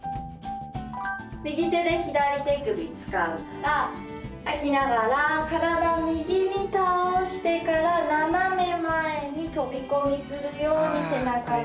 右手で左手首つかんだら吐きながら体を右に倒してから斜め前に飛び込みするように背中を伸ばしていきます。